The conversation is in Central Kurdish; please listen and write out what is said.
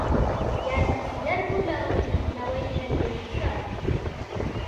یارمەتیدەر بوو لە ڕوونکردنەوەی هەندێک وشە